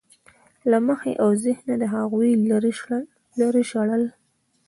له مخې او ذهنه د هغوی لرې شړل.